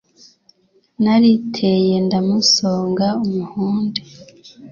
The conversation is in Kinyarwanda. Nariteye ndamusonga umuhunde